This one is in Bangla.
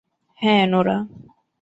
হ্যাঁ, নোরা।